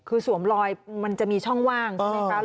คือสวมรอยมันจะมีช่องว่างใช่ไหมคะ